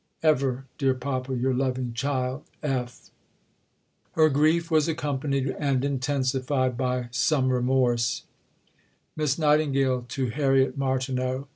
Ever, dear Papa, your loving child, F. Her grief was accompanied and intensified by some remorse: (_Miss Nightingale to Harriet Martineau.